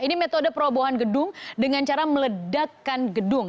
ini metode perobohan gedung dengan cara meledakan gedung